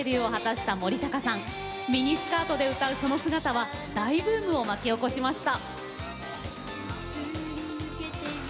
ミニスカートで歌うその姿は大ブームを巻き起こしました。